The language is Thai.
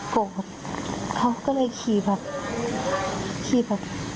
โกรธเขาก็เลยขี่แบบ